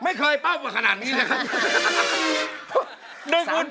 ไม่เคยเป้าขนาดนี้นะครับ